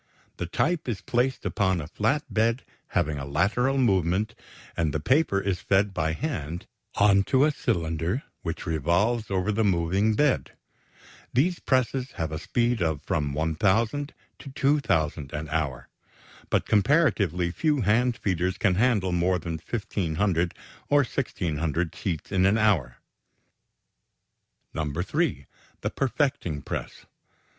The type is placed upon a flat bed having a lateral movement, and the paper is fed by hand onto a cylinder which revolves over the moving bed. These presses have a speed of from 1,000 to 2,000 an hour, but comparatively few hand feeders can handle more than 1,500, or 1,600 sheets in an hour. (3) The perfecting press.